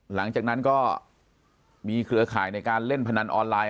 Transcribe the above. หลังจากนั้นก็มีเว็บที่เล่นปนันออนไลน์